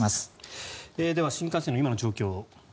では新幹線の今の状況を。